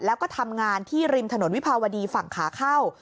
แล้วก็ทำงานที่ริมถนนวิภาวดีฝั่งขาเข้า